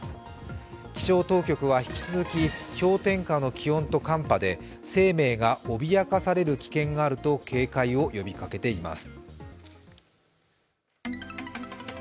気象当局は引き続き、氷点下の気温と寒波で生命が脅かされる危険があると警戒を呼びかけています。